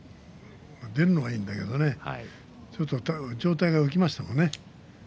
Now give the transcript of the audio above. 出るのはいいんだけど上体が起きましたね。